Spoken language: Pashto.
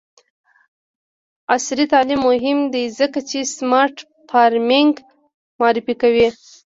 عصري تعلیم مهم دی ځکه چې د سمارټ فارمینګ معرفي کوي.